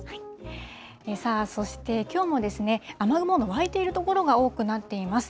さあ、そしてきょうも雨雲の湧いている所が多くなっています。